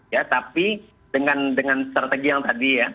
ya tapi dengan strategi yang tadi ya dengan pentahapan yang baik sosialitas yang baik